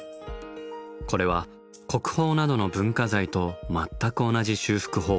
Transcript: これは国宝などの文化財と全く同じ修復方法。